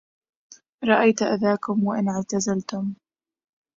رأيت أذاكم وإن اعتزلتم